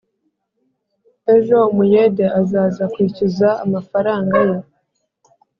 Ejo umuyede azaza kwishyuza amafaranga ye